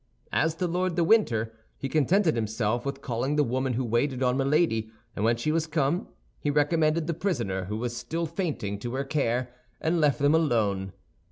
As to Lord de Winter, he contented himself with calling the woman who waited on Milady, and when she was come, he recommended the prisoner, who was still fainting, to her care, and left them alone.